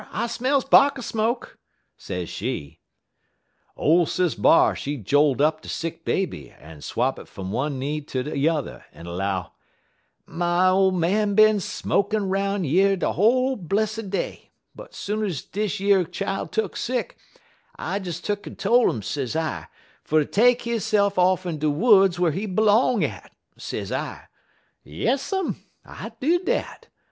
I smells 'barker smoke,' sez she. "Ole Sis B'ar, she jolt up de sick baby, en swap it fum one knee ter de yuther, en 'low: "'My ole man bin smokin' 'roun' yer de whole blessid day, but soon'z dish yer chile tuck sick, I des tuck'n tole 'im, sez I, fer ter take hisse'f off in de woods whar he b'long at, sez I. Yessum! I did dat!